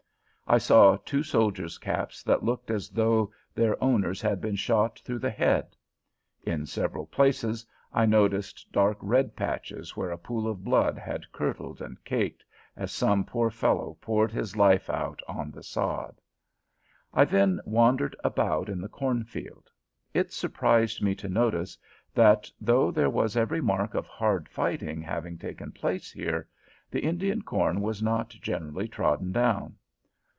I saw two soldiers' caps that looked as though their owners had been shot through the head. In several places I noticed dark red patches where a pool of blood had curdled and caked, as some poor fellow poured his life out on the sod. I then wandered about in the cornfield. It surprised me to notice, that, though there was every mark of hard fighting having taken place here, the Indian corn was not generally trodden down.